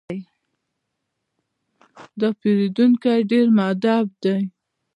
دا پیرودونکی ډېر مؤدب دی.